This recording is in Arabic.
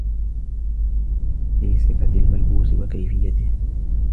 فِي صِفَةِ الْمَلْبُوسِ وَكَيْفِيَّتِهِ